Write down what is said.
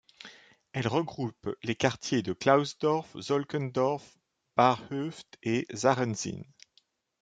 Elle regroupe les quartiers de Klausdorf, Solkendorf, Barhöft et Zarrenzin.